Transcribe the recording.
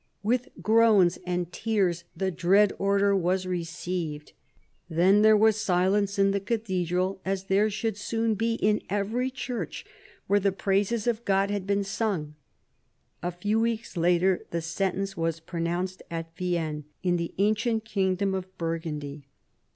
With groans and tears the dread order was received. Then there was silence in the cathedral as there should soon be in every church where the praises of God had been sung. A few weeks later the sentence was pro nounced at Vienne, in the ancient kingdom of Burgundy.